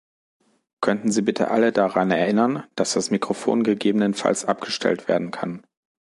Könnten Sie bitte alle daran erinnern, dass das Mikrofon gegebenenfalls abgestellt werden kann?